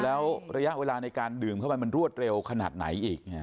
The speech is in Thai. แล้วระยะเวลาในการดื่มเข้าไปมันรวดเร็วขนาดไหนอีก